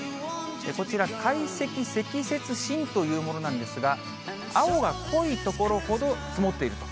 こちら、たい積積雪しんというものなんですが、青が濃い所ほど積もっていると。